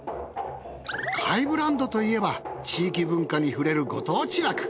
界ブランドといえば地域文化に触れるご当地楽。